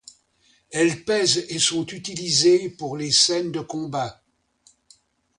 Elles pèsent et sont utilisées pour les scènes de combat.